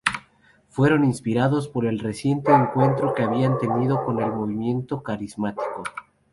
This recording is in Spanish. Fueron inspirados por el reciente encuentro que habían tenido con el movimiento carismático.